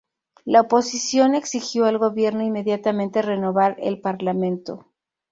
La oposición exigió al gobierno inmediatamente renovar el parlamento.